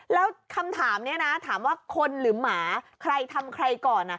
แล้วคำถามนี้นะถามว่าคนหรือหมาใครทำใครก่อน